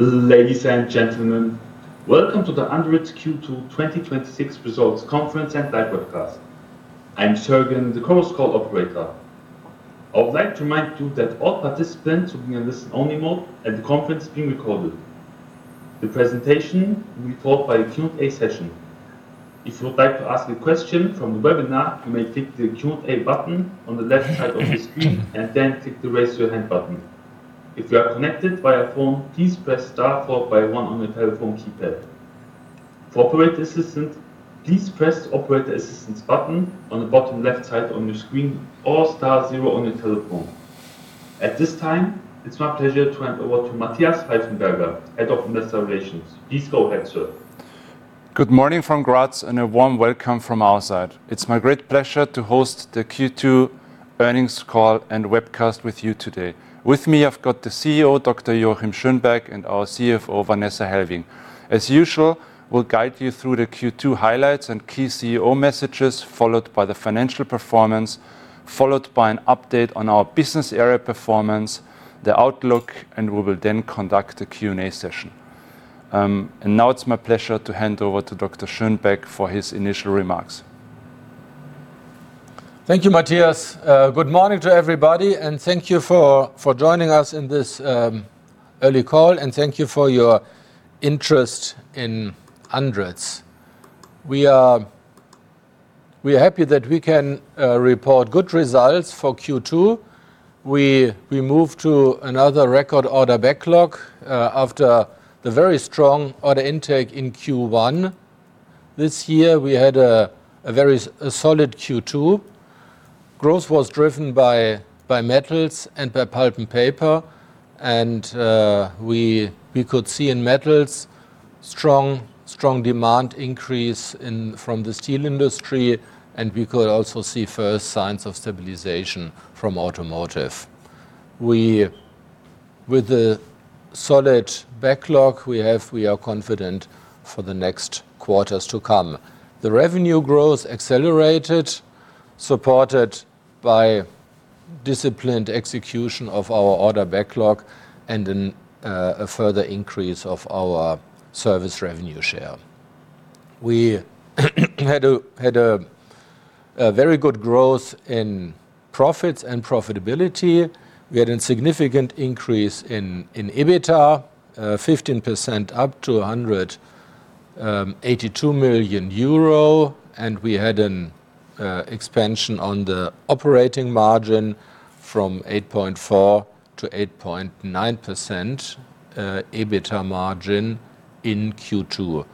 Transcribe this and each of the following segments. Ladies and gentlemen, welcome to the Andritz Q2 2026 Results Conference and live webcast. I am Sergen, the chorus call operator. I would like to remind you that all participants will be in listen-only mode, and the conference is being recorded. The presentation will be followed by a Q&A session. If you would like to ask a question from the webinar, you may click the Q&A button on the left side of your screen and then click the Raise Your Hand button. If you are connected via phone, please press star followed by one on your telephone keypad. For operator assistance, please press the operator assistance button on the bottom left side of your screen or star zero on your telephone. At this time, it's my pleasure to hand over to Matthias Pfeifenberger, Head of Investor Relations. Please go ahead, sir. Good morning from Graz and a warm welcome from our side. It's my great pleasure to host the Q2 earnings call and webcast with you today. With me, I've got the CEO, Dr. Joachim Schönbeck, and our CFO, Vanessa Hellwing. As usual, we will guide you through the Q2 highlights and key CEO messages, followed by the financial performance, followed by an update on our business area performance, the outlook, and we will then conduct a Q&A session. Now it's my pleasure to hand over to Dr. Schönbeck for his initial remarks. Thank you, Matthias. Good morning to everybody and thank you for joining us in this early call and thank you for your interest in Andritz. We are happy that we can report good results for Q2. We move to another record order backlog after the very strong order intake in Q1. This year, we had a very solid Q2. Growth was driven by Metals and by Pulp & Paper. We could see in Metals strong demand increase from the steel industry, and we could also see first signs of stabilization from automotive. With the solid backlog we have, we are confident for the next quarters to come. The revenue growth accelerated, supported by disciplined execution of our order backlog and then a further increase of our service revenue share. We had a very good growth in profits and profitability. We had a significant increase in EBITA, 15% up to 182 million euro, and we had an expansion on the operating margin from 8.4%-8.9% EBITA margin in Q2.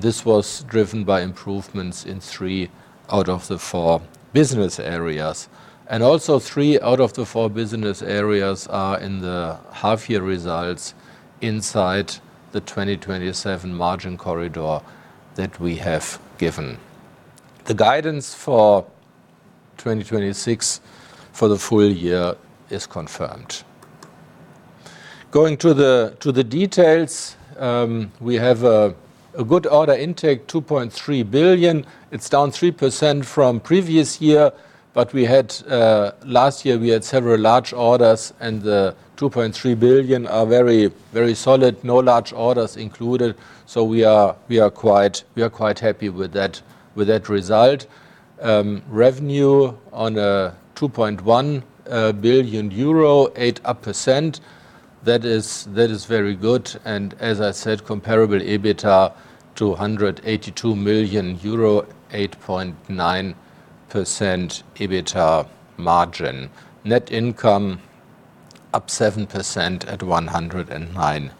This was driven by improvements in three out of the four business areas. Also three out of the four business areas are in the half-year results inside the 2027 margin corridor that we have given. The guidance for 2026 for the full year is confirmed. Going to the details, we have a good order intake, 2.3 billion. It's down 3% from previous year, but last year we had several large orders and the 2.3 billion are very solid, no large orders included. We are quite happy with that result. Revenue on 2.1 billion euro, 8%-up. That is very good and as I said, comparable EBITA 282 million euro, 8.9% EBITA margin. Net income up 7% at 109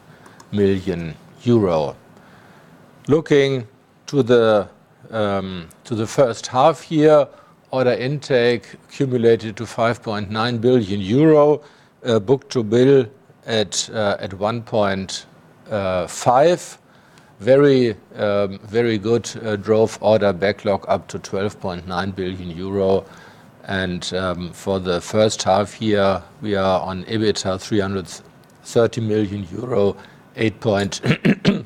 million euro. Looking to the first half year, order intake accumulated to 5.9 billion euro. Book-to-bill at 1.5x. Very good growth order backlog up to 12.9 billion euro and for the first half year, we are on EBITA 330 million euro, 8.6%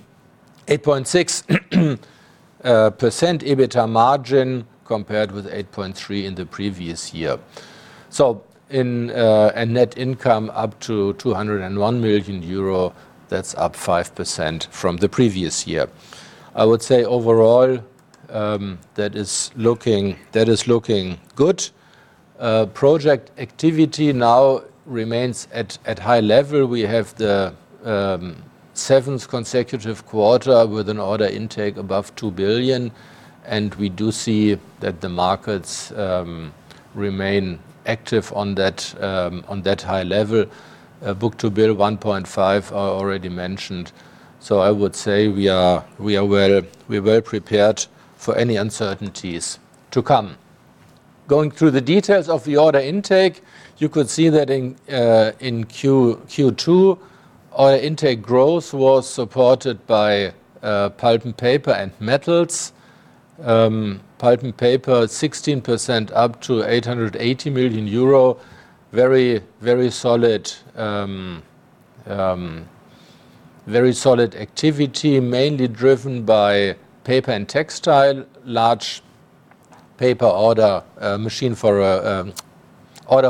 EBITA margin compared with 8.3% in the previous year. Net income up to 201 million euro, that's up 5% from the previous year. I would say overall, that is looking good. Project activity now remains at high level. We have the seventh consecutive quarter with an order intake above 2 billion, and we do see that the markets remain active on that high level. Book-to-bill 1.5x I already mentioned. I would say we are well-prepared for any uncertainties to come. Going through the details of the order intake, you could see that in Q2, our intake growth was supported by Pulp & Paper and Metals. Pulp & Paper, 16% up to 880 million euro. Very solid activity, mainly driven by Paper & Textile, large paper order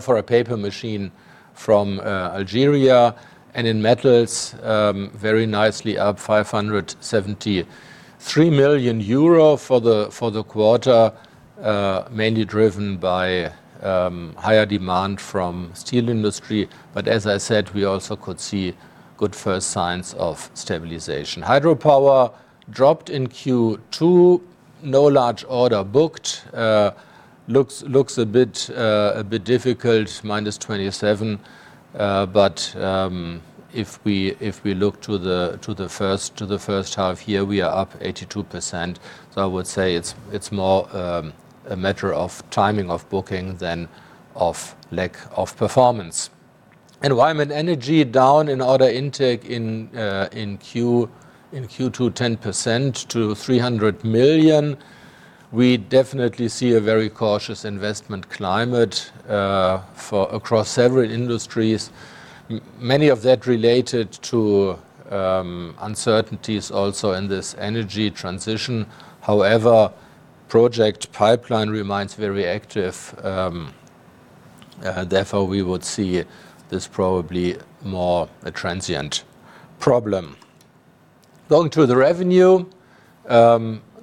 for a paper machine from Algeria. In Metals, very nicely up 573 million euro for the quarter, mainly driven by higher demand from steel industry. As I said, we also could see good first signs of stabilization. Hydropower dropped in Q2. No large order booked. Looks a bit difficult, -27%. If we look to the first half year, we are up 82%. I would say it's more a matter of timing of booking than of lack of performance. Environment & Energy down in order intake in Q2, 10% to 300 million. We definitely see a very cautious investment climate across several industries, many of that related to uncertainties also in this energy transition. However, project pipeline remains very active. Therefore, we would see this probably more a transient problem. Going to the revenue.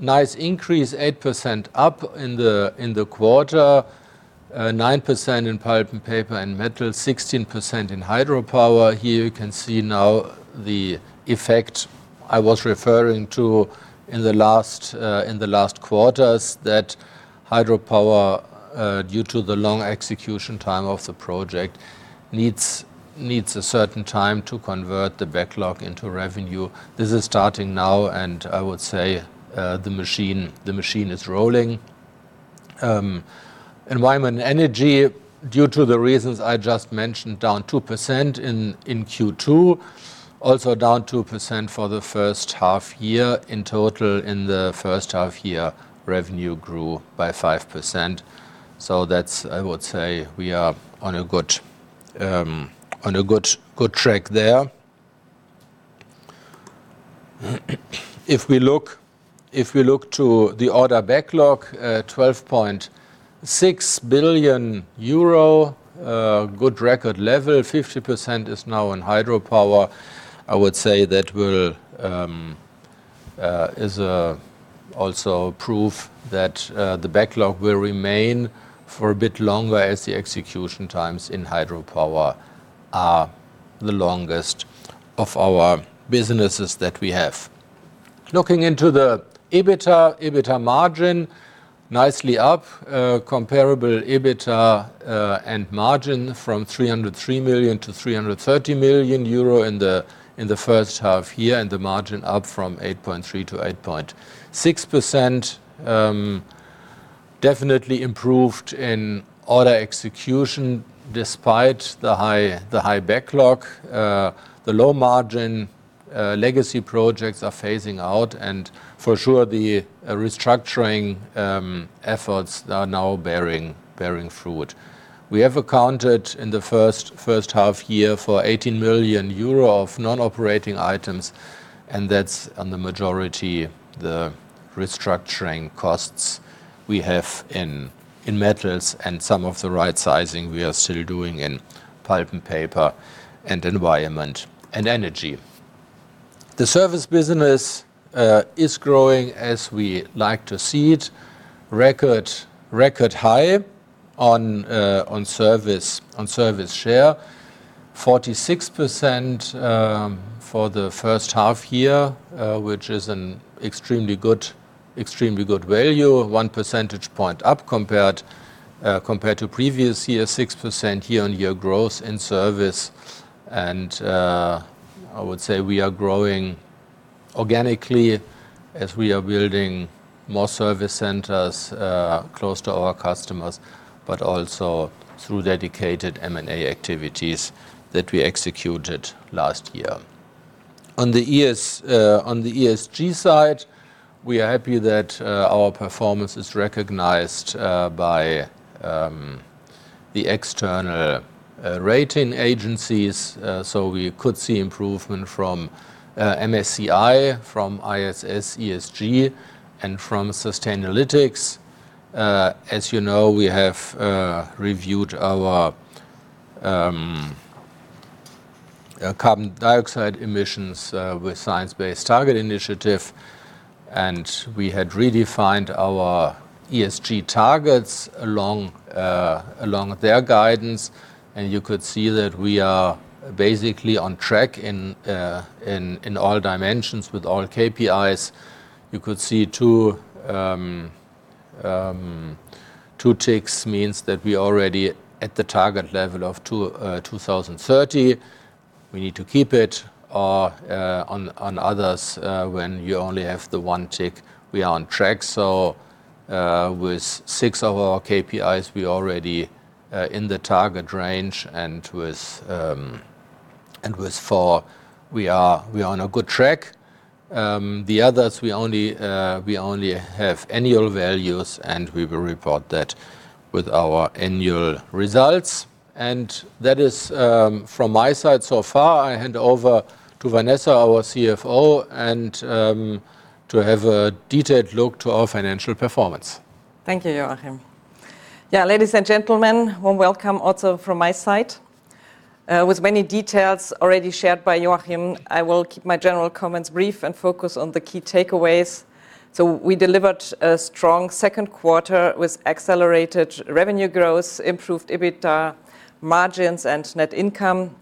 Nice increase, 8% up in the quarter, 9% in Pulp & Paper and Metals, 16% in Hydropower. Here you can see now the effect I was referring to in the last quarters, that Hydropower, due to the long execution time of the project, needs a certain time to convert the backlog into revenue. This is starting now, and I would say the machine is rolling. Environment & Energy, due to the reasons I just mentioned, down 2% in Q2. Also down 2% for the first half year. In total, in the first half year, revenue grew by 5%. That's, I would say, we are on a good track there. If we look to the order backlog, 12.6 billion euro. Good record level, 50% is now in Hydropower. I would say that is also proof that the backlog will remain for a bit longer as the execution times in Hydropower are the longest of our businesses that we have. Looking into the EBITA margin. Nicely up. Comparable EBITA and margin from 303 million-330 million euro in the first half year, and the margin up from 8.3%-8.6%. Definitely improved in order execution despite the high backlog. The low-margin legacy projects are phasing out, and for sure, the restructuring efforts are now bearing fruit. We have accounted in the first half year for 18 million euro of non-operating items, and that's, on the majority, the restructuring costs we have in Metals and some of the right-sizing we are still doing in Pulp & Paper and Environment & Energy. The service business is growing as we like to see it. Record high on service share. 46% for the first half year, which is an extremely good value. One percentage point up compared to previous year. 6% year-on-year growth in service. I would say we are growing organically as we are building more service centers close to our customers, but also through dedicated M&A activities that we executed last year. On the ESG side, we are happy that our performance is recognized by the external rating agencies. We could see improvement from MSCI, from ISS ESG, and from Sustainalytics. As you know, we have reviewed our carbon dioxide emissions with Science Based Targets initiative, and we had redefined our ESG targets along their guidance. You could see that we are basically on track in all dimensions with all KPIs. You could see two ticks means that we already at the target level of 2030. We need to keep it. On others, when you only have the one tick, we are on track. With six of our KPIs, we already in the target range, and with four, we are on a good track. The others, we only have annual values, and we will report that with our annual results. That is from my side so far. I hand over to Vanessa, our CFO, to have a detailed look to our financial performance. Thank you, Joachim. Ladies and gentlemen, warm welcome also from my side. With many details already shared by Joachim, I will keep my general comments brief and focus on the key takeaways. We delivered a strong second quarter with accelerated revenue growth, improved EBITA margins and net income.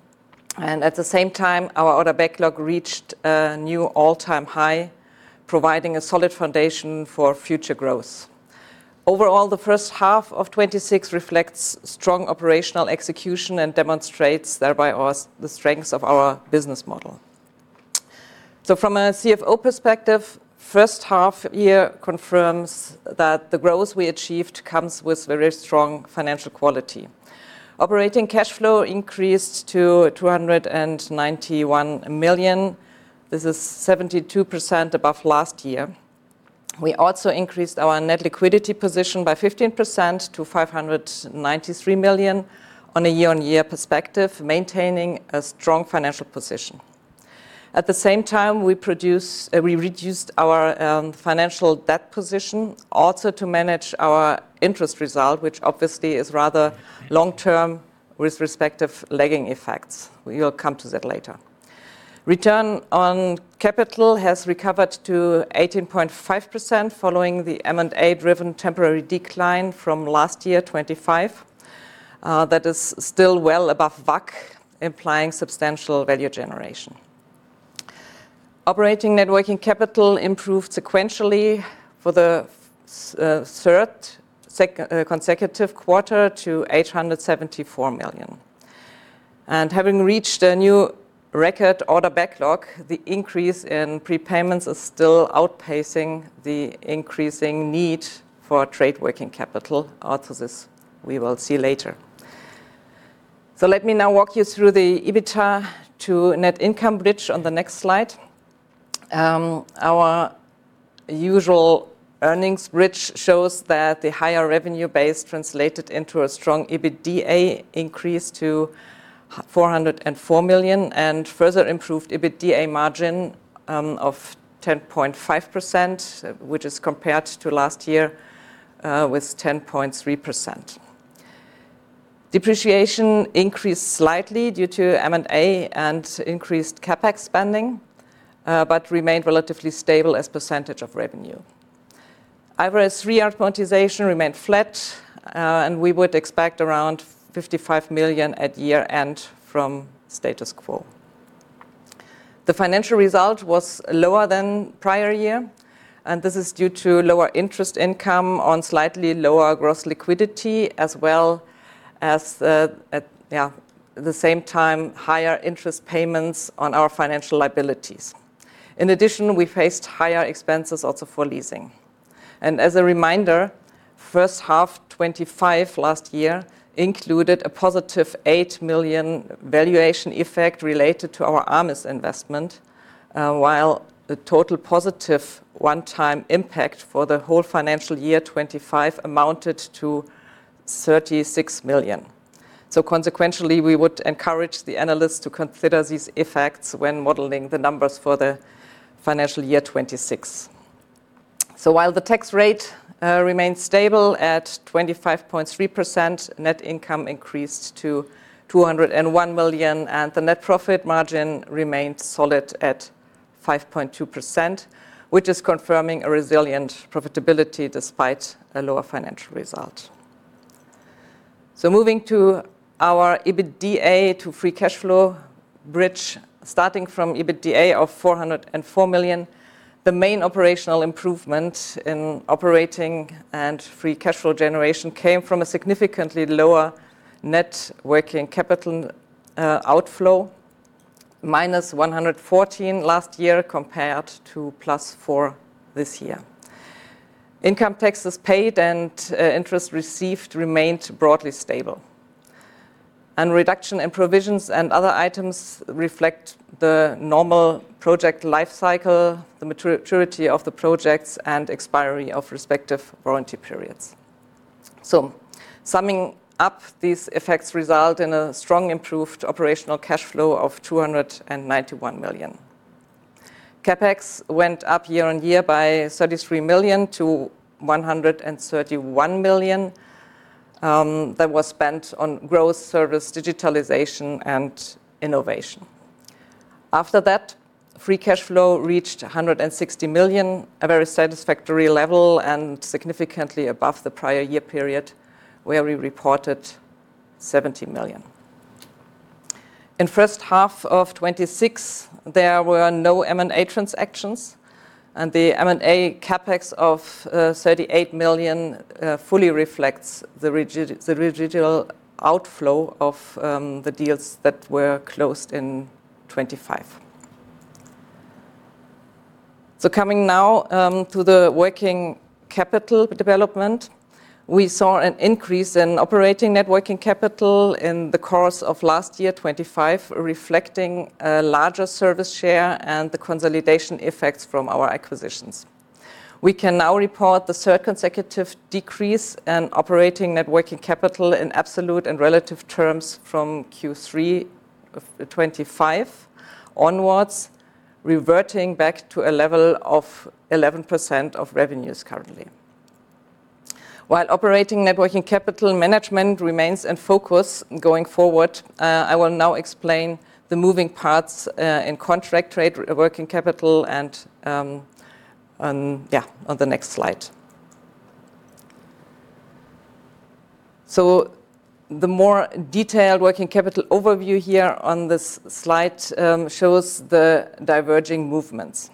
At the same time, our order backlog reached a new all-time high, providing a solid foundation for future growth. Overall, the first half of 2026 reflects strong operational execution and demonstrates thereby the strengths of our business model. From a CFO perspective, first half year confirms that the growth we achieved comes with very strong financial quality. Operating cash flow increased to 291 million. This is 72% above last year. We also increased our net liquidity position by 15% to 593 million on a year-on-year perspective, maintaining a strong financial position. At the same time, we reduced our financial debt position also to manage our interest result, which obviously is rather long-term with respective lagging effects. We will come to that later. Return on capital has recovered to 18.5% following the M&A-driven temporary decline from last year, 2025. That is still well above WACC, implying substantial value generation. Operating networking capital improved sequentially for the third consecutive quarter to 874 million. Having reached a new record order backlog, the increase in prepayments is still outpacing the increasing need for trade working capital. Also this, we will see later. Let me now walk you through the EBITA to net income bridge on the next slide. Our usual earnings bridge shows that the higher revenue base translated into a strong EBITA increase to 404 million and further improved EBITA margin of 10.5%, which is compared to last year with 10.3%. Depreciation increased slightly due to M&A and increased CapEx spending, but remained relatively stable as a percentage of revenue. Average three-year amortization remained flat, and we would expect around 55 million at year-end from status quo. The financial result was lower than prior year, and this is due to lower interest income on slightly lower gross liquidity, as well as at the same time, higher interest payments on our financial liabilities. In addition, we faced higher expenses also for leasing. As a reminder, H1 2025 last year included a +8 million valuation effect related to our Armis investment. While the total positive one-time impact for the whole FY 2025 amounted to 36 million. Consequentially, we would encourage the analysts to consider these effects when modeling the numbers for the FY 2026. While the tax rate remained stable at 25.3%, net income increased to 201 million, and the net profit margin remained solid at 5.2%, which is confirming a resilient profitability despite a lower financial result. Moving to our EBITA to free cash flow bridge, starting from EBITA of 404 million, the main operational improvement in operating and free cash flow generation came from a significantly lower net working capital outflow, -114 last year compared to +4 this year. Income taxes paid and interest received remained broadly stable. Reduction in provisions and other items reflect the normal project life cycle, the maturity of the projects, and expiry of respective warranty periods. Summing up these effects result in a strong improved operational cash flow of 291 million. CapEx went up year-on-year by 33 million-131 million, that was spent on growth service, digitalization, and innovation. After that, free cash flow reached 160 million, a very satisfactory level and significantly above the prior year period where we reported 17 million. In H1 2026, there were no M&A transactions, and the M&A CapEx of 38 million fully reflects the residual outflow of the deals that were closed in 2025. Coming now to the working capital development. We saw an increase in operating net working capital in the course of last year, 2025, reflecting a larger service share and the consolidation effects from our acquisitions. We can now report the third consecutive decrease in operating net working capital in absolute and relative terms from Q3 2025 onwards, reverting back to a level of 11% of revenues currently. While operating net working capital management remains in focus going forward, I will now explain the moving parts in contract trade working capital on the next slide. The more detailed working capital overview here on this slide shows the diverging movements.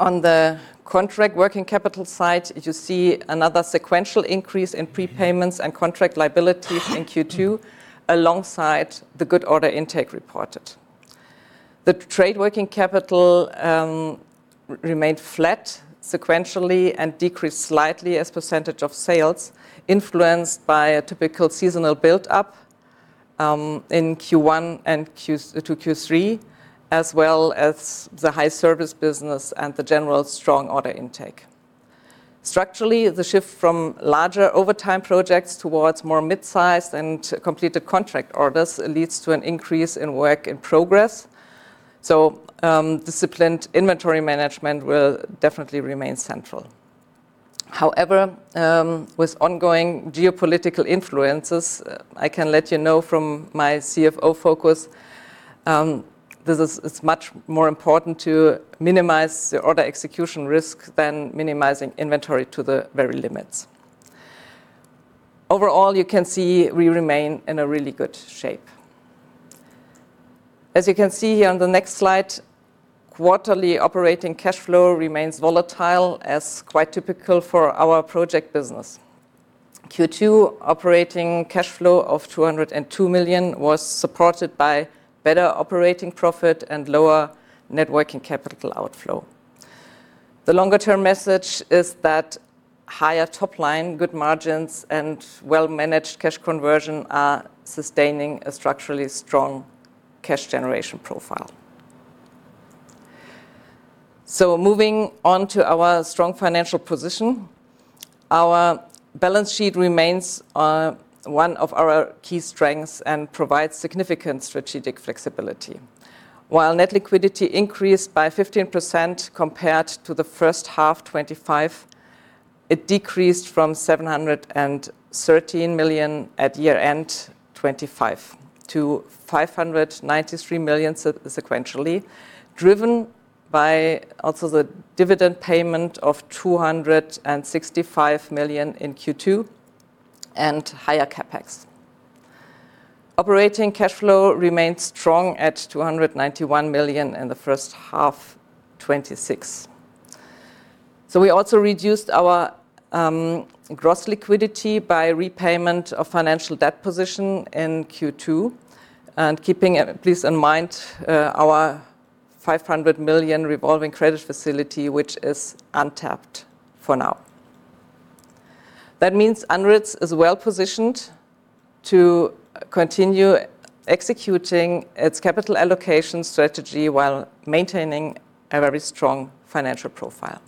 On the contract working capital side, you see another sequential increase in prepayments and contract liabilities in Q2, alongside the good order intake reported. The trade working capital remained flat sequentially and decreased slightly as a percentage of sales, influenced by a typical seasonal buildup in Q1-Q3, as well as the high service business and the general strong order intake. Structurally, the shift from larger overtime projects towards more mid-sized and completed contract orders leads to an increase in work in progress. Disciplined inventory management will definitely remain central. With ongoing geopolitical influences, I can let you know from my CFO focus, this is much more important to minimize the order execution risk than minimizing inventory to the very limits. You can see we remain in a really good shape. As you can see here on the next slide, quarterly operating cash flow remains volatile, as quite typical for our project business. Q2 operating cash flow of 202 million was supported by better operating profit and lower net working capital outflow. The longer-term message is that higher top line, good margins, and well-managed cash conversion are sustaining a structurally strong cash generation profile. Moving on to our strong financial position. Our balance sheet remains one of our key strengths and provides significant strategic flexibility. While net liquidity increased by 15% compared to the first half of 2025, it decreased from 713 million at year-end 2025 to 593 million sequentially, driven by also the dividend payment of 265 million in Q2 and higher CapEx. Operating cash flow remains strong at 291 million in the first half of 2026. We also reduced our gross liquidity by repayment of financial debt position in Q2, and keeping please in mind our 500 million revolving credit facility, which is untapped for now. That means Andritz is well-positioned to continue executing its capital allocation strategy while maintaining a very strong financial profile.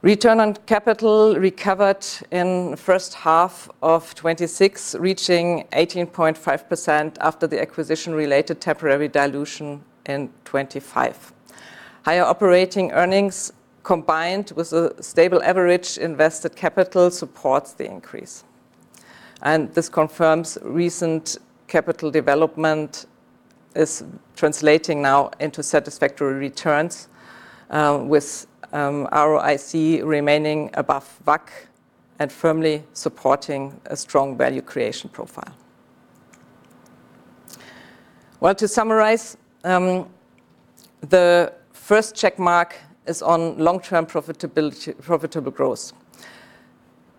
Return on capital recovered in the first half of 2026, reaching 18.5% after the acquisition-related temporary dilution in 2025. Higher operating earnings, combined with a stable average invested capital, supports the increase. This confirms recent capital development is translating now into satisfactory returns, with ROIC remaining above WACC and firmly supporting a strong value creation profile. Well, to summarize, the first check mark is on long-term profitable growth.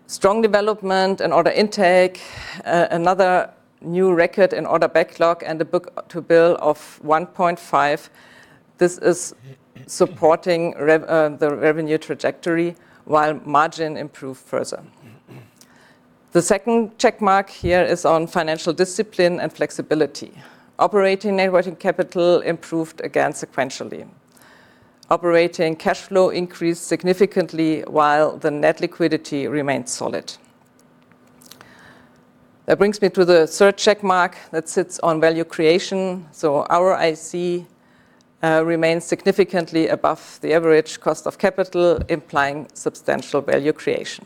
Strong development and order intake, another new record in order backlog and a book-to-bill of 1.5x. This is supporting the revenue trajectory while margin improved further. The second check mark here is on financial discipline and flexibility. Operating net working capital improved again sequentially. Operating cash flow increased significantly while the net liquidity remained solid. That brings me to the third check mark that sits on value creation. ROIC remains significantly above the average cost of capital, implying substantial value creation.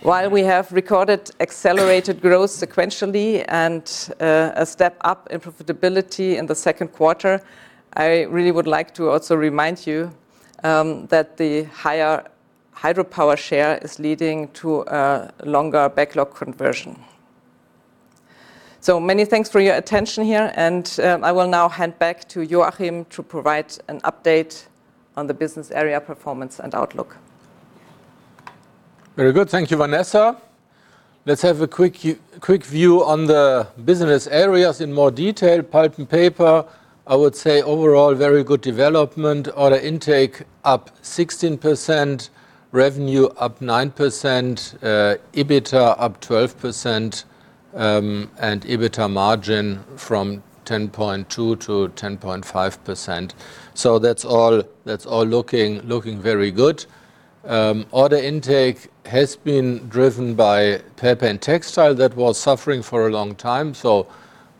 While we have recorded accelerated growth sequentially and a step up in profitability in the second quarter, I really would like to also remind you that the higher Hydropower share is leading to a longer backlog conversion. Many thanks for your attention here, and I will now hand back to Joachim to provide an update on the business area performance and outlook. Very good. Thank you, Vanessa. Let's have a quick view on the business areas in more detail. Pulp & Paper, I would say overall, very good development. Order intake up 16%, revenue up 9%, EBITA up 12%, and EBITA margin from 10.2%-10.5%. That's all looking very good. Order intake has been driven by Paper & Textile that was suffering for a long time.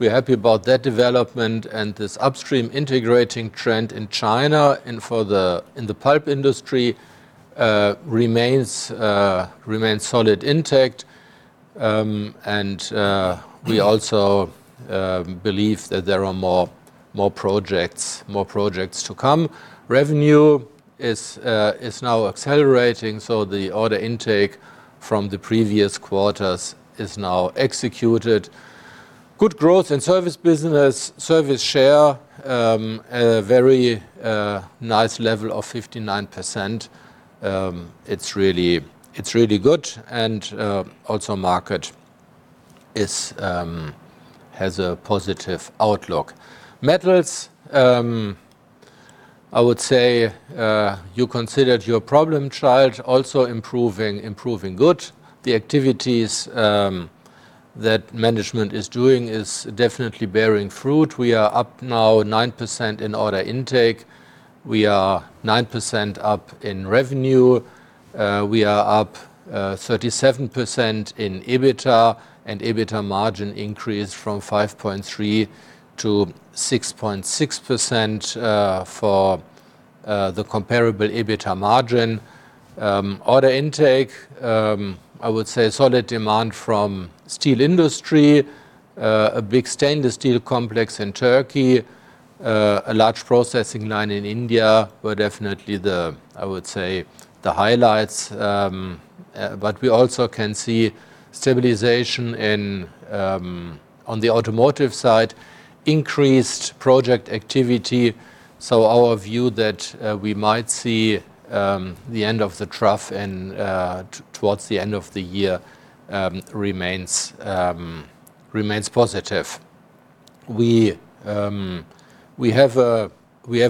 We're happy about that development and this upstream integrating trend in China and further in the Pulp industry remains solid intact. We also believe that there are more projects to come. Revenue is now accelerating, so the order intake from the previous quarters is now executed. Good growth in service business, service share, a very nice level of 59%. It's really good, and also market has a positive outlook. Metals. I would say, you considered your problem child also improving good. The activities that management is doing is definitely bearing fruit. We are up now 9% in order intake. We are 9% up in revenue. We are up 37% in EBITA and EBITA margin increased from 5.3%-6.6% for the comparable EBITA margin. Order intake, I would say solid demand from steel industry, a big stainless steel complex in Turkey, a large processing line in India were definitely the highlights. We also can see stabilization on the automotive side, increased project activity. Our view that we might see the end of the trough towards the end of the year remains positive. We have a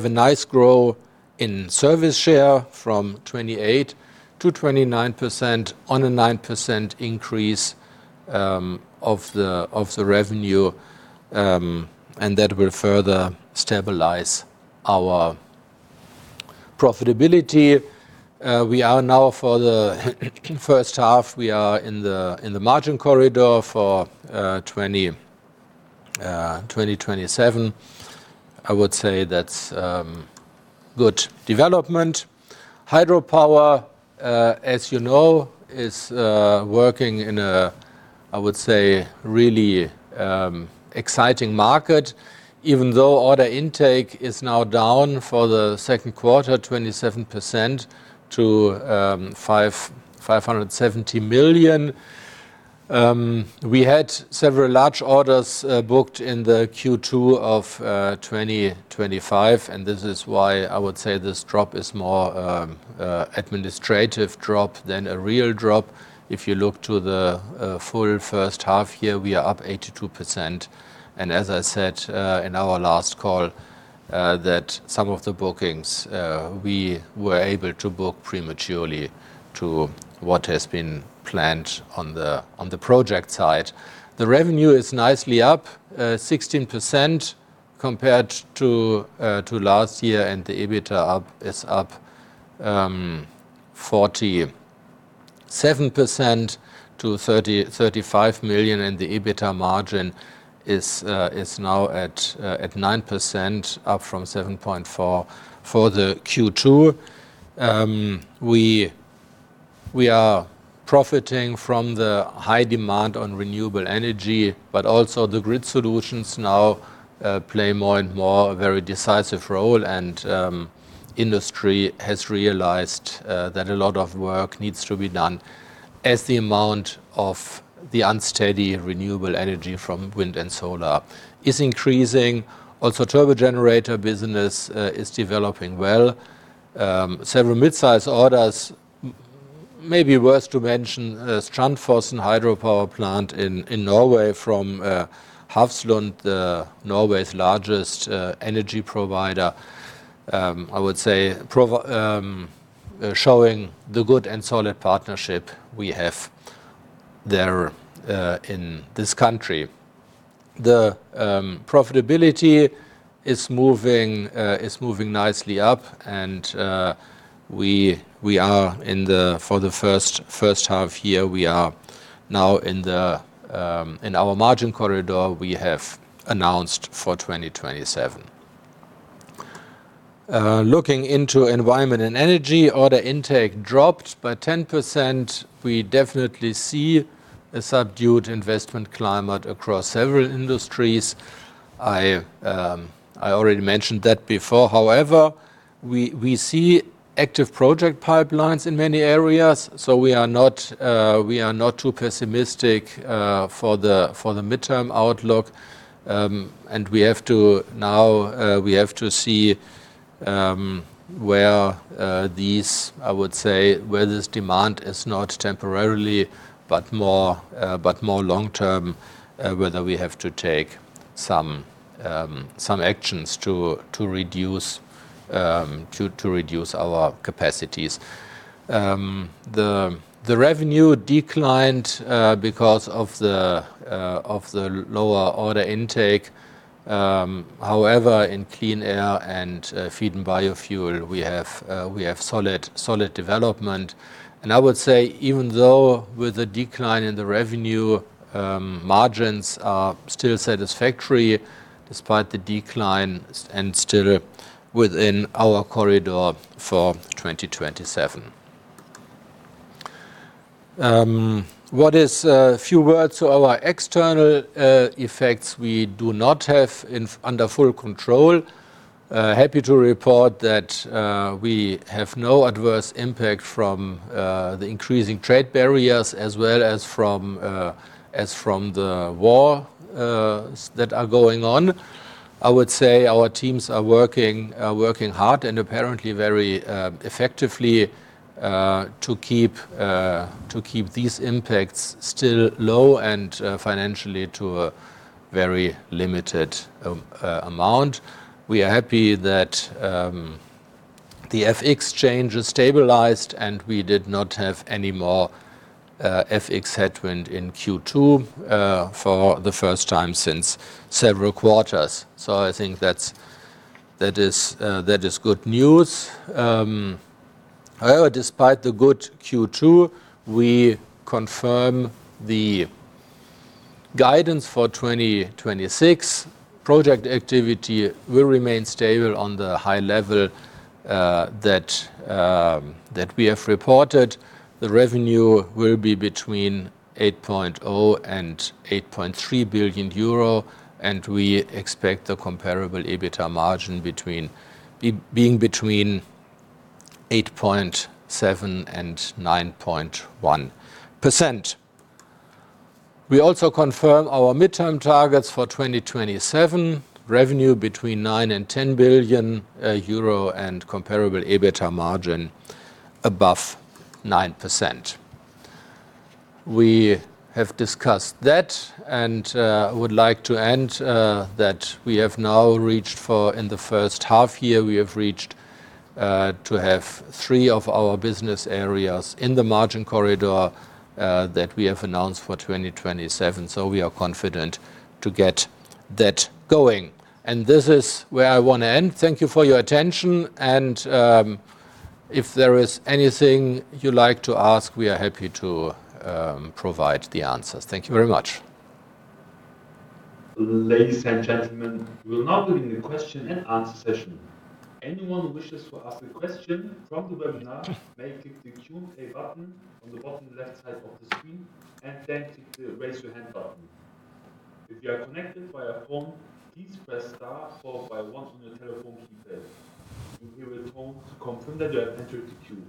nice growth in service share from 28%-29% on a 9% increase of the revenue, and that will further stabilize our profitability. We are now for the first half, we are in the margin corridor for 2027. I would say that's good development. Hydropower, as you know, is working in a really exciting market, even though order intake is now down for the second quarter 27% to 570 million. We had several large orders booked in the Q2 of 2025, this is why I would say this drop is more administrative drop than a real drop. If you look to the full first half here, we are up 82%. As I said in our last call, that some of the bookings we were able to book prematurely to what has been planned on the project side. The revenue is nicely up 16% compared to last year, and the EBITA is up 47% to EUR 35 million, and the EBITA margin is now at 9%, up from 7.5% for the Q2. We are profiting from the high demand on renewable energy, the grid solutions now play more and more a very decisive role and industry has realized that a lot of work needs to be done as the amount of the unsteady renewable energy from wind and solar is increasing. Turbogenerator business is developing well. Several midsize orders may be worth to mention. Strandfossen Hydropower plant in Norway from Hafslund, Norway's largest energy provider. I would say showing the good and solid partnership we have there in this country. The profitability is moving nicely up and for the first half year, we are now in our margin corridor we have announced for 2027. Looking into Environment & Energy, order intake dropped by 10%. We definitely see a subdued investment climate across several industries. I already mentioned that before. However, we see active project pipelines in many areas. We are not too pessimistic for the midterm outlook. Now we have to see where this demand is not temporarily, but more long term. Whether we have to take some actions to reduce our capacities. The revenue declined because of the lower order intake. However, in Clean Air and Feed and Biofuel, we have solid development. I would say even though with the decline in the revenue, margins are still satisfactory despite the decline and still within our corridor for 2027. A few words to our external effects we do not have under full control. Happy to report that we have no adverse impact from the increasing trade barriers as well as from the wars that are going on. I would say our teams are working hard and apparently very effectively to keep these impacts still low and financially to a very limited amount. We are happy that the FX change has stabilized, and we did not have any more FX headwind in Q2 for the first time since several quarters. I think that is good news. However, despite the good Q2, we confirm the guidance for 2026. Project activity will remain stable on the high level that we have reported. The revenue will be between 8.0 billion and 8.3 billion euro, and we expect the comparable EBITA margin being between 8.7% and 9.1%. We also confirm our midterm targets for 2027: revenue between 9 billion and 10 billion euro and comparable EBITA margin above 9%. We have discussed that. I would like to end that we have now reached for, in the first half year, we have reached to have three of our business areas in the margin corridor that we have announced for 2027. We are confident to get that going. This is where I want to end. Thank you for your attention. If there is anything you'd like to ask, we are happy to provide the answers. Thank you very much. Ladies and gentlemen, we will now begin the question and answer session. Anyone who wishes to ask a question from the webinar may click the Q&A button on the bottom left side of the screen and then click the raise your hand button. If you are connected via phone, please press star followed by one on your telephone keypad. You hear a tone to confirm that you have entered the queue.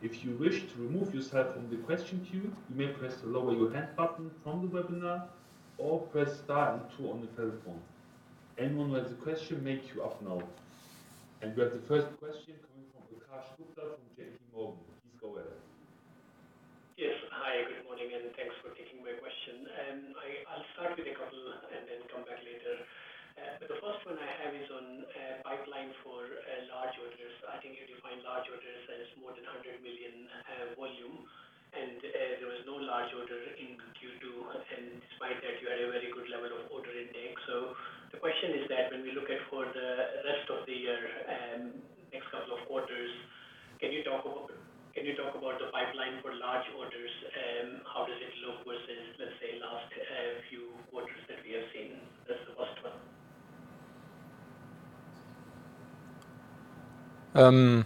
If you wish to remove yourself from the question queue, you may press the lower your hand button from the webinar or press star and two on the telephone. Anyone who has a question may queue up now. We have the first question coming from Akash Gupta from JPMorgan. Please go ahead. Yes. Hi, good morning, and thanks for taking my question. I'll start with a couple and then come back later. The first one I have is on pipeline for large orders. I think if you find large orders as more than 100 million volume, and there was no large order in Q2, and despite that, you had a very good level of order intake. The question is that when we look at for the rest of the year, next couple of quarters, can you talk about the pipeline for large orders? How does it look versus, let's say, last few quarters that we have seen? That's the first one. Yeah.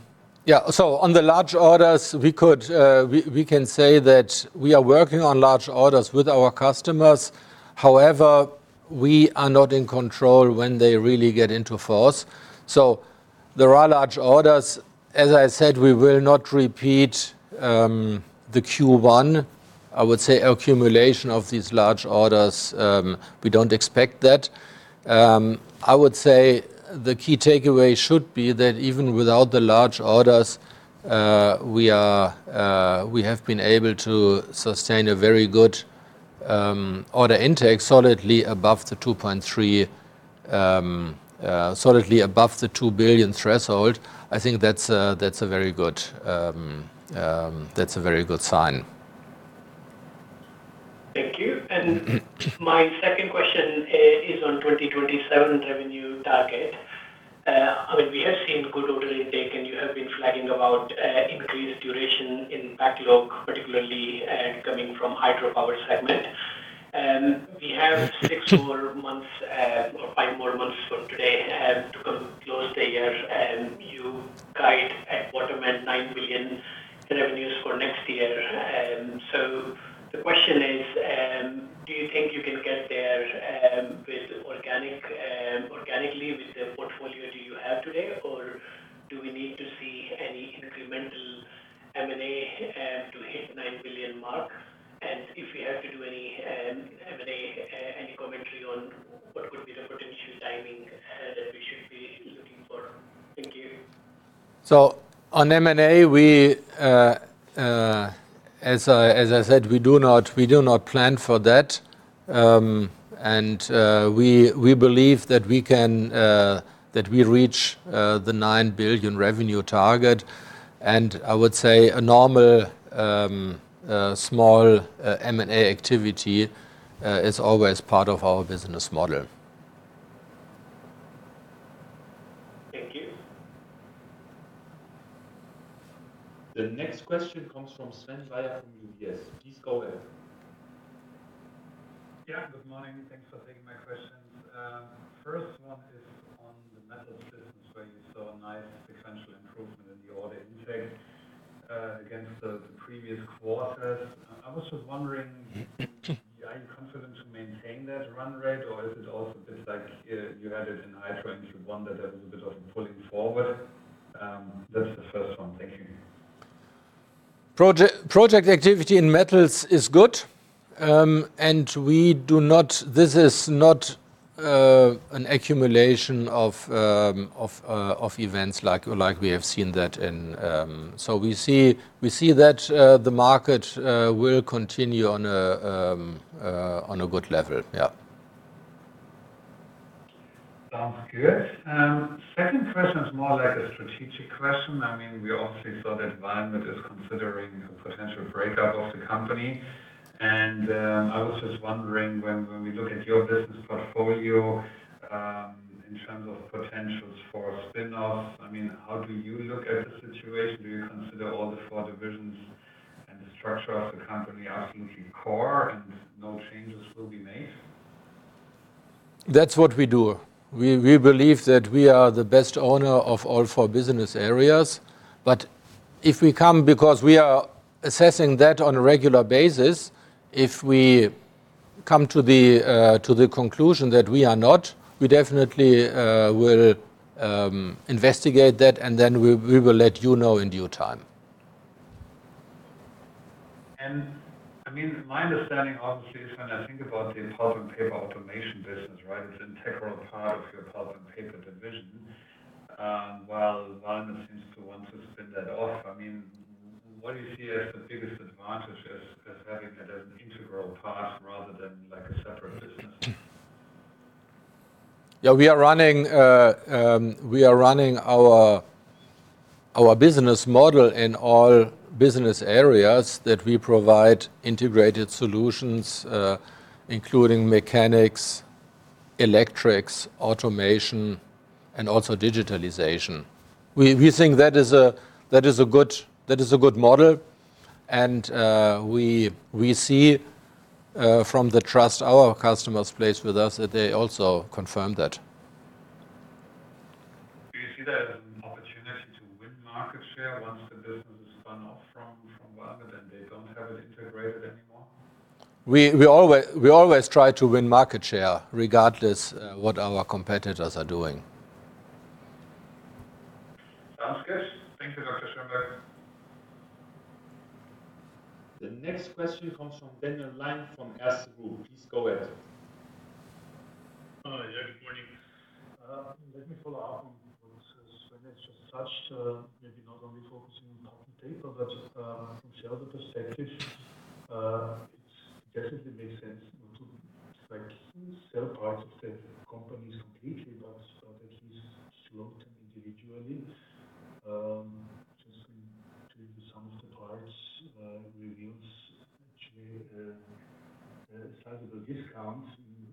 On the large orders, we can say that we are working on large orders with our customers. However, we are not in control when they really get into force. There are large orders. As I said, we will not repeat the Q1. I would say accumulation of these large orders, we don't expect that. I would say the key takeaway should be that even without the large orders, we have been able to sustain a very good order intake solidly above the 2.3 billion, solidly above the 2 billion threshold. I think that's a very good sign. Thank you. My second question is on 2027 revenue target. We have seen good order intake, and you have been flagging about increased duration in backlog, particularly coming from Hydropower segment. We have six more months or five more months from today to come close the year, and you guide at bottom end, 9 billion revenues for next year. The question is, do you think you can get there organically with the portfolio that you have today? Or do we need to see any incremental M&A to hit 9 billion mark? If we have to do any M&A, any commentary on. On M&A, as I said, we do not plan for that. We believe that we'll reach the 9 billion revenue target, and I would say a normal small M&A activity is always part of our business model. Thank you. The next question comes from Sven Weier from UBS. Please go ahead. Yeah. Good morning. Thanks for taking my questions. First one is on the Metals business, where you saw a nice sequential improvement in the order intake against the previous quarters. I was just wondering, are you confident to maintain that run rate? Or is it also a bit like you had it in H1, that a little bit of pulling forward? That's the first one. Thank you. Project activity in Metals is good. This is not an accumulation of events like we have seen that. We see that the market will continue on a good level. Yeah. Sounds good. Second question is more like a strategic question. We obviously saw that Valmet is considering a potential breakup of the company, and I was just wondering when we look at your business portfolio in terms of potentials for spin-offs, how do you look at the situation? Do you consider all the four divisions and the structure of the company are thinking core and no changes will be made? That's what we do. We believe that we are the best owner of all four business areas. Because we are assessing that on a regular basis, if we come to the conclusion that we are not, we definitely will investigate that, and then we will let you know in due time. My understanding, obviously, is when I think about the Pulp & Paper Automation business, it's integral part of your Pulp & Paper division, while Valmet seems to want to spin that off. What do you see as the biggest advantage as having that as an integral part rather than like a separate business? Yeah, we are running our business model in all business areas that we provide integrated solutions, including mechanics, electrics, automation, and also digitalization. We think that is a good model. We see from the trust our customers place with us that they also confirm that. Do you see that as an opportunity to win market share once the business is spun off from Valmet, they don't have it integrated anymore? We always try to win market share regardless what our competitors are doing. Sounds good. Thank you, Dr. Schönbeck. The next question comes from Daniel Lion from Erste Group. Please go ahead. Hi. Yeah, good morning. Let me follow up on what Sven has just touched. Maybe not only focusing on Pulp & Paper, but just from shareholder perspective, it definitely makes sense not to sell parts of the companies completely, but at least float them individually. Just to some of the parts reveals actually sizable discounts in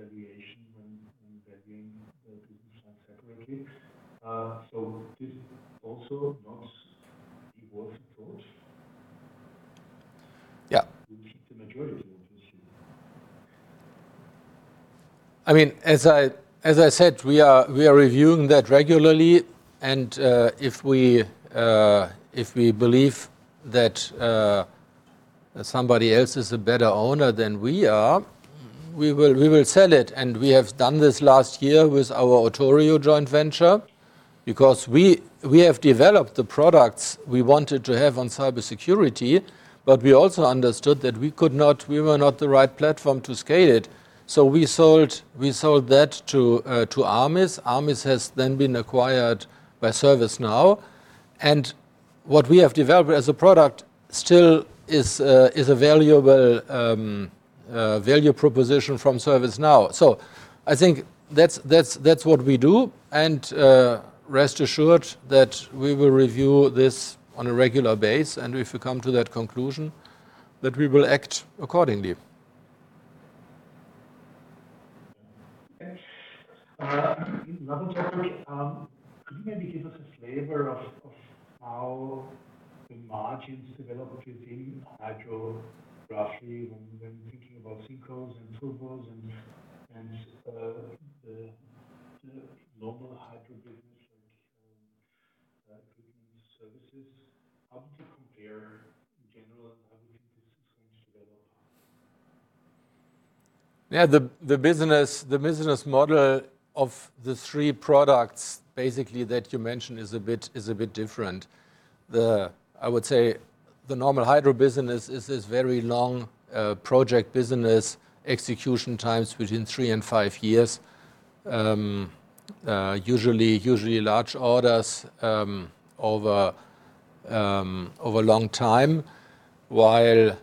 valuation when valuing the business line separately. We keep the majority of what you see. As I said, we are reviewing that regularly, and if we believe that somebody else is a better owner than we are, we will sell it. We have done this last year with our OTORIO joint venture because we have developed the products we wanted to have on cybersecurity, but we also understood that we were not the right platform to scale it. We sold that to Armis. Armis has then been acquired by ServiceNow. What we have developed as a product still is a value proposition from ServiceNow. I think that's what we do, and rest assured that we will review this on a regular base, and if we come to that conclusion, that we will act accordingly. Okay. Another topic. Could you maybe give us a flavor of how the margins develop within Hydro, roughly when thinking about synchronous and turbos and the normal Hydro business like equipment services? How do they compare in general and how do you think this is going to develop? Yeah. The business model of the three products basically that you mentioned is a bit different. The, I would say, the normal Hydro business is this very long project business, execution times between three and five years. Usually large orders over long time, while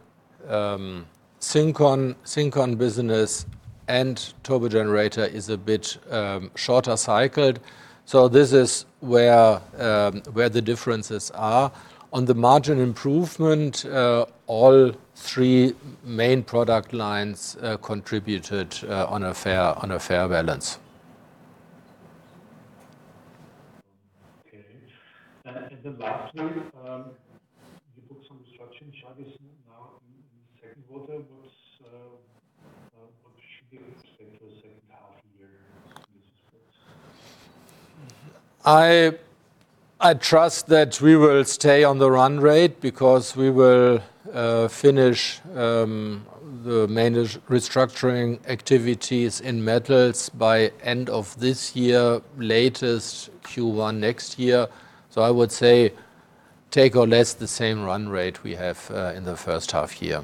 synchronous business and turbo generator is a bit shorter cycled. This is where the differences are. On the margin improvement, all three main product lines contributed on a fair balance. Okay. Lastly, you put some restructuring charges now in the second quarter. What should we expect for the second half year in this regard? I trust that we will stay on the run rate because we will finish the main restructuring activities in Metals by end of this year, latest Q1 next year. I would say take or less the same run rate we have in the first half year.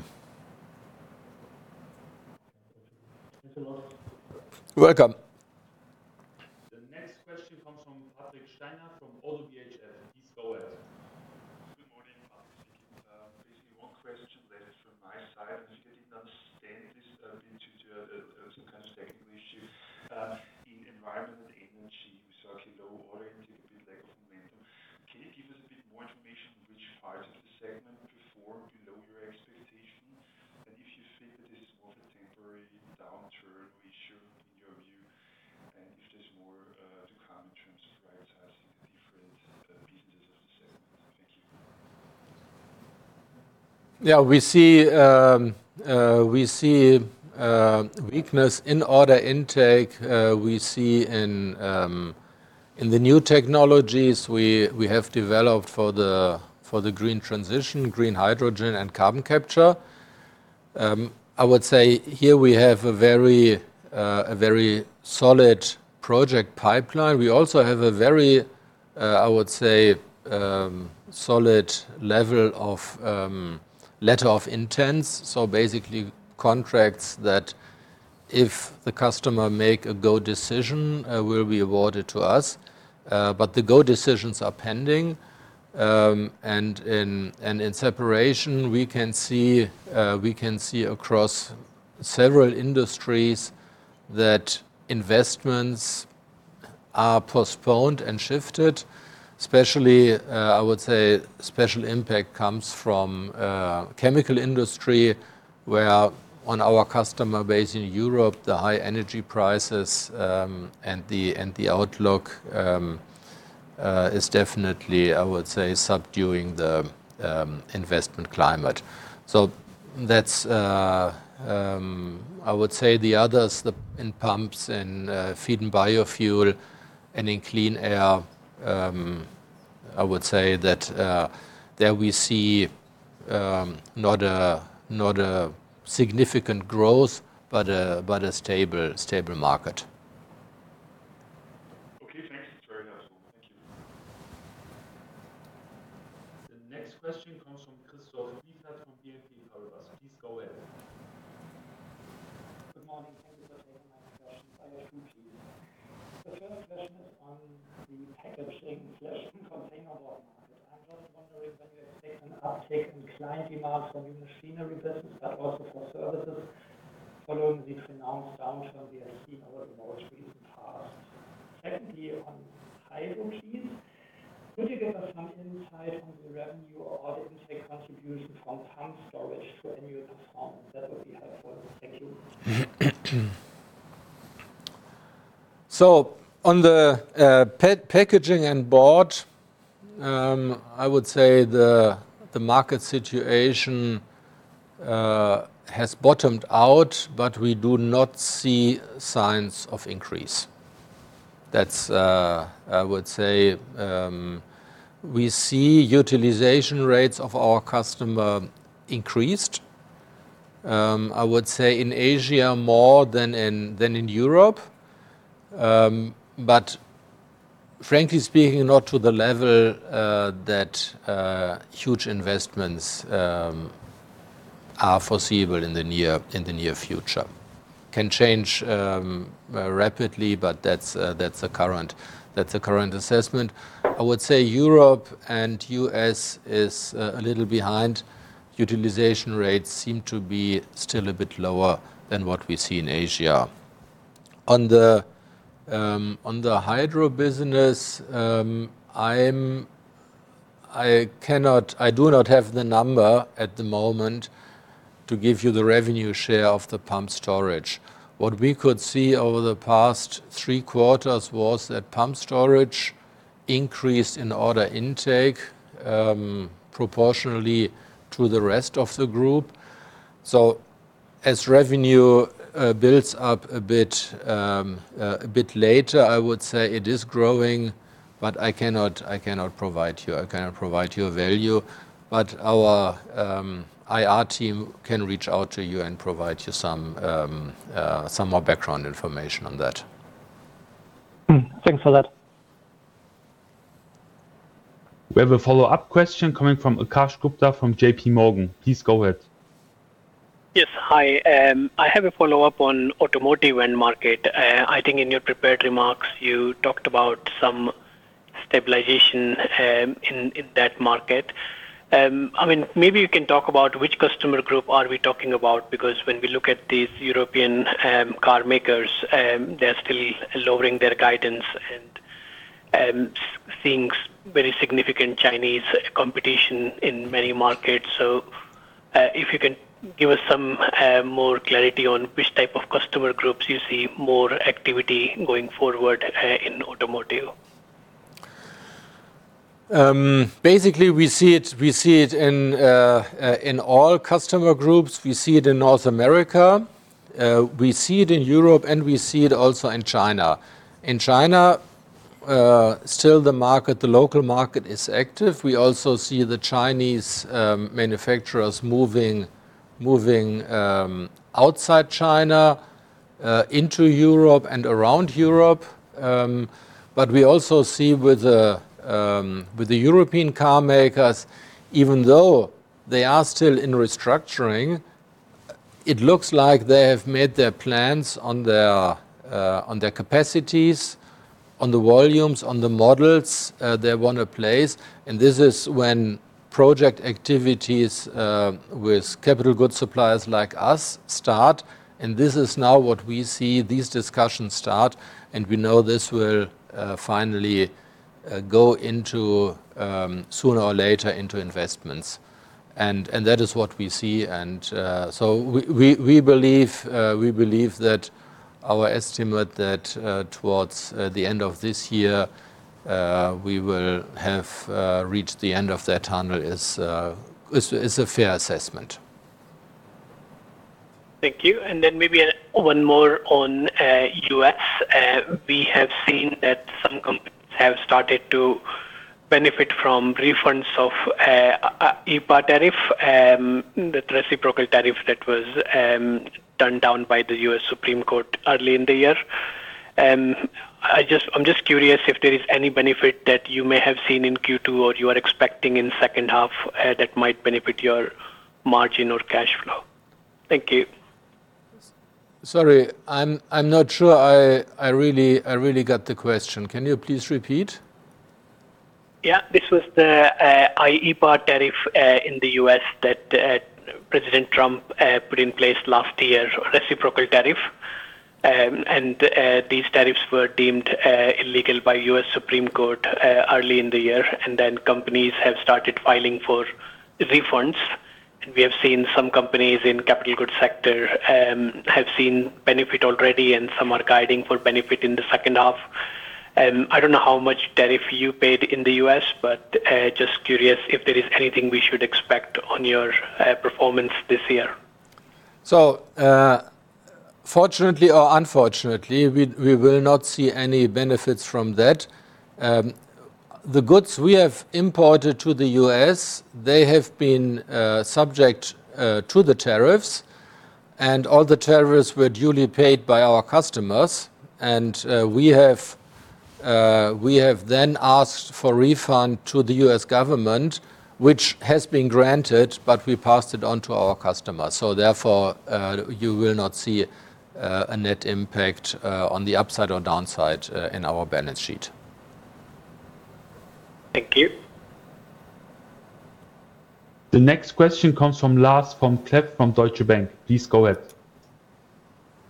Thank you very much. You're welcome. The next question comes from Patrick Steiner from ODDO BHF. Please go ahead. Good morning. Patrick speaking. Basically, one question left from my side. I think I did not understand this a bit due to some kind of technical issue. In Environment & Energy, we saw a low order intake, a bit lack of momentum. Can you give us a bit more information on which parts of the segment performed below your expectation? If you think that this is more of a temporary downturn ratio in your view, and if there's more to come in terms of prioritizing the different businesses of the segment? Thank you. Yeah, we see weakness in order intake. We see in the new technologies we have developed for the green transition, green hydrogen and carbon capture. I would say here we have a very solid project pipeline. We also have a very, I would say, solid level of letter of intents. Basically contracts that if the customer make a go decision, will be awarded to us. The go decisions are pending. In separation, we can see across several industries that investments are postponed and shifted, especially, I would say special impact comes from chemical industry, where on our customer base in Europe, the high energy prices, and the outlook is definitely, I would say, subduing the investment climate. That's, I would say the others in pumps and feed and biofuel and in clean air, I would say that there we see not a significant growth, but a stable market. Okay, thanks. It's very helpful. Thank you. The next question comes from Christoph Blieffert from BNP Paribas. Please go ahead. Good morning. Thank you for taking my questions. I have two to you. The first question is on the packaging/containerboard market. I'm just wondering when you expect an uptick in client demand for new machinery business, but also for services following this announced downturn we have seen over the most recent past. Secondly, on hydro, please. Could you give us some insight on the revenue or order intake contribution from pump storage to annual performance? That would be helpful. Thank you. On the packaging and board, I would say the market situation has bottomed out, but we do not see signs of increase. That's, I would say, we see utilization rates of our customer increased. I would say in Asia more than in Europe. Frankly speaking, not to the level that huge investments are foreseeable in the near future. That's the current assessment. I would say Europe and U.S. is a little behind. Utilization rates seem to be still a bit lower than what we see in Asia. On the Hydro business, I do not have the number at the moment to give you the revenue share of the pump storage. What we could see over the past three quarters was that pump storage increased in order intake, proportionally to the rest of the group. As revenue builds up a bit later, I would say it is growing, but I cannot provide you a value. Our IR team can reach out to you and provide you some more background information on that. Thanks for that. We have a follow-up question coming from Akash Gupta from JPMorgan. Please go ahead. Yes. Hi. I have a follow-up on automotive end market. I think in your prepared remarks, you talked about some stabilization in that market. Maybe you can talk about which customer group are we talking about, because when we look at these European car makers, they're still lowering their guidance and seeing very significant Chinese competition in many markets. If you can give us some more clarity on which type of customer groups you see more activity going forward in automotive? Basically, we see it in all customer groups. We see it in North America, we see it in Europe, and we see it also in China. In China, still the local market is active. We also see the Chinese manufacturers moving outside China into Europe and around Europe. But we also see with the European car makers, even though they are still in restructuring, it looks like they have made their plans on their capacities, on the volumes, on the models they want to place. This is when project activities with capital goods suppliers like us start. This is now what we see, these discussions start, and we know this will finally go into, sooner or later, investments. That is what we see. We believe that our estimate that towards the end of this year, we will have reached the end of that tunnel is a fair assessment. Thank you. Then maybe one more on U.S. We have seen that some companies have started to benefit from refunds of reciprocal tariff, the reciprocal tariff that was turned down by the U.S. Supreme Court early in the year. I'm just curious if there is any benefit that you may have seen in Q2 or you are expecting in second half that might benefit your margin or cash flow? Thank you. Sorry, I'm not sure I really got the question. Can you please repeat? Yeah. This was the reciprocal tariff in the U.S. that President Trump put in place last year, reciprocal tariff. These tariffs were deemed illegal by U.S. Supreme Court early in the year. Then companies have started filing for refunds. We have seen some companies in capital goods sector have seen benefit already and some are guiding for benefit in the second half. I don't know how much tariff you paid in the U.S., but just curious if there is anything we should expect on your performance this year. Fortunately or unfortunately, we will not see any benefits from that. The goods we have imported to the U.S., they have been subject to the tariffs, and all the tariffs were duly paid by our customers. We have then asked for refund to the U.S. government, which has been granted, but we passed it on to our customers. Therefore, you will not see a net impact on the upside or downside in our balance sheet. Thank you. The next question comes from Lars Vom-Cleff from Deutsche Bank. Please go ahead.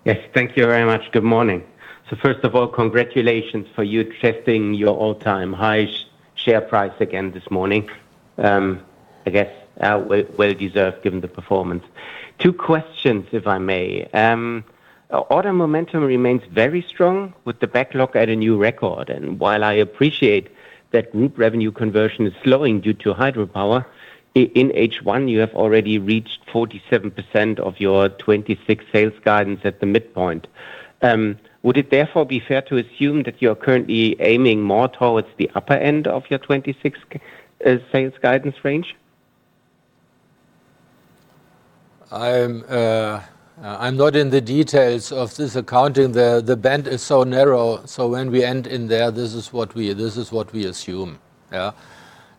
Yes. Thank you very much. Good morning. First of all, congratulations for you accepting your all-time high share price again this morning. I guess well deserved given the performance. Two questions, if I may. Order momentum remains very strong with the backlog at a new record. While I appreciate that group revenue conversion is slowing due to Hydropower, in H1, you have already reached 47% of your 2026 sales guidance at the midpoint. Would it therefore be fair to assume that you're currently aiming more towards the upper end of your 2026 sales guidance range? I'm not in the details of this accounting. The band is so narrow, when we end in there, this is what we assume.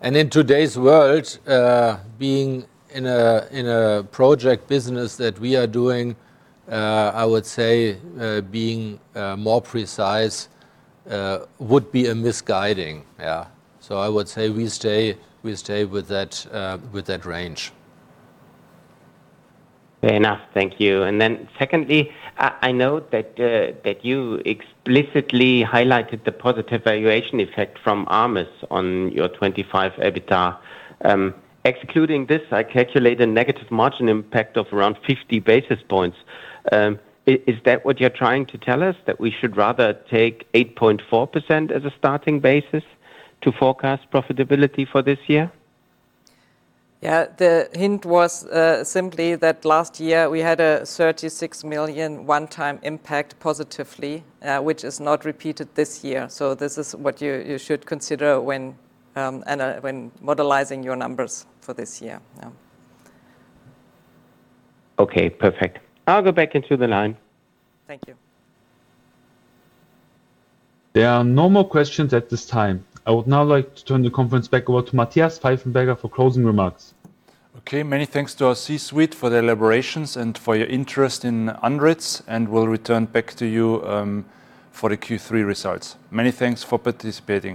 In today's world, being in a project business that we are doing, I would say being more precise would be a misguiding. I would say we stay with that range. Fair enough. Thank you. Secondly, I note that you explicitly highlighted the positive valuation effect from Armis on your 2025 EBITA. Excluding this, I calculate a negative margin impact of around 50 basis points. Is that what you're trying to tell us? That we should rather take 8.4% as a starting basis to forecast profitability for this year? The hint was simply that last year we had a 36 million one-time impact positively, which is not repeated this year. This is what you should consider when modelizing your numbers for this year. Okay. Perfect. I'll go back into the line. Thank you. There are no more questions at this time. I would now like to turn the conference back over to Matthias Pfeifenberger for closing remarks. Okay. Many thanks to our C-suite for their elaborations and for your interest in Andritz, and we'll return back to you for the Q3 results. Many thanks for participating.